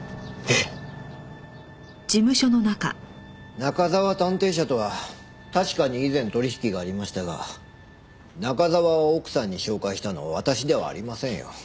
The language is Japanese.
中沢探偵社とは確かに以前取引がありましたが中沢を奥さんに紹介したのは私ではありませんよ。